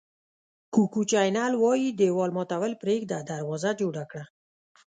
کوکو چینل وایي دېوال ماتول پرېږده دروازه جوړه کړه.